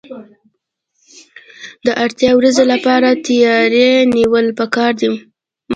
د اړتیا ورځې لپاره تیاری نیول پکار دي.